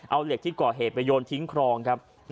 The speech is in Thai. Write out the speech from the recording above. เอาเหล็กที่ก่อเหตุไปโยนทิ้งครองครับ